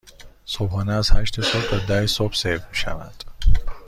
صبحانه از هشت صبح تا ده صبح سرو می شود.